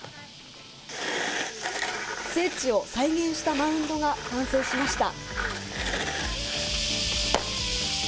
聖地を再現したマウンドが完成しました。